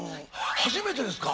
初めてですか？